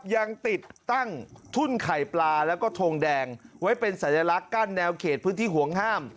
ยังติดตั้งทุ่นไข่ปลาแล้วก็ทงแดงไว้เป็นสัญลักษณ์กั้นแนวเขตพื้นที่ห่วงห้าม